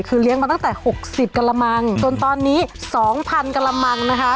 คือเลี้ยงมาตั้งแต่๖๐กรมจนตอนนี้๒๐๐๐กรมนะคะ